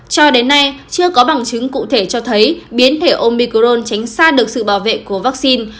cho đến nay chưa có bằng chứng cụ thể cho thấy biến thể omicron tránh xa được sự bảo vệ của vaccine